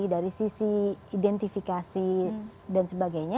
dari sisi identifikasi dan sebagainya